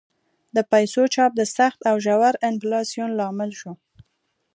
د پیسو چاپ د سخت او ژور انفلاسیون لامل شو.